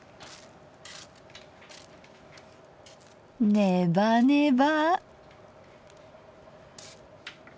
ねばねば。